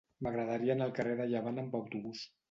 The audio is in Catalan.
M'agradaria anar al carrer de Llevant amb autobús.